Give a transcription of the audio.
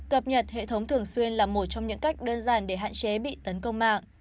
cập nhật hệ thống thường xuyên là một trong những cách đơn giản để hạn chế bị tấn công mạng